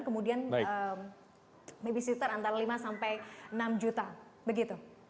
kemudian babysitter antara lima sampai enam juta begitu